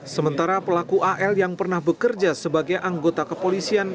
sementara pelaku al yang pernah bekerja sebagai anggota kepolisian